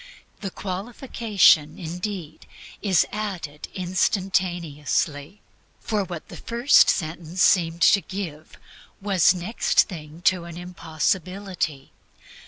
The qualification, indeed, is added instantaneously. For what the first sentence seemed to give was next thing to an impossibility.